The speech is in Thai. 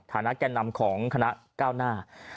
ฐานะแก่นำของคณะก้าวหน้า